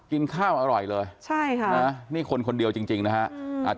กินข้าวอร่อยเลยนะนี่คนเดียวจริงนะฮะใช่ค่ะ